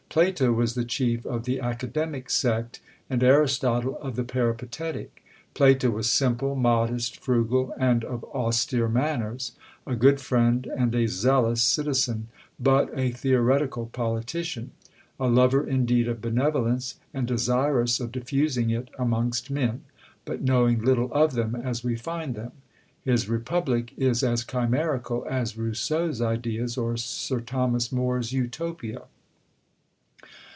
Plato was the chief of the academic sect, and Aristotle of the peripatetic. Plato was simple, modest, frugal, and of austere manners; a good friend and a zealous citizen, but a theoretical politician: a lover indeed of benevolence, and desirous of diffusing it amongst men, but knowing little of them as we find them; his "Republic" is as chimerical as Rousseau's ideas, or Sir Thomas More's Utopia.